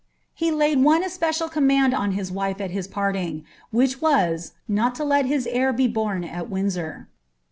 Me laid one especial command on his wife at hia {nnii^ which was. not to let his heir be bom at Windsor.